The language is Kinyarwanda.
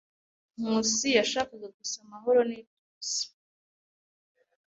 Nkusi yashakaga gusa amahoro n'ituze.